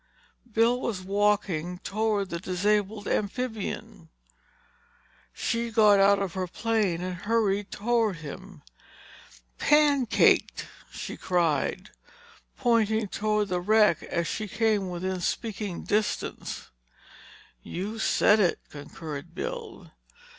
Bill was walking toward the disabled amphibian. She got out of her plane and hurried toward him. "Pancaked!" she cried, pointing toward the wreck as she came within speaking distance. "You said it—" concurred Bill.